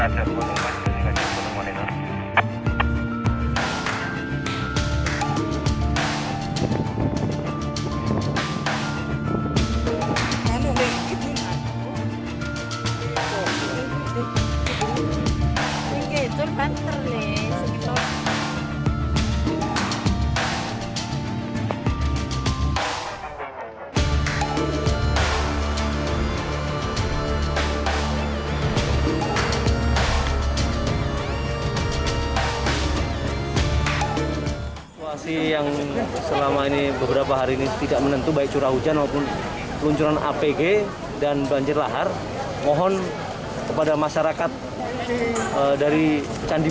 jangan lupa like share dan subscribe channel ini untuk dapat info terbaru dari kami